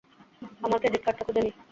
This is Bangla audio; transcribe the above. আমার ক্রেডিট কার্ডটা খুঁজে নিই।